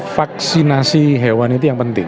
vaksinasi hewan itu yang penting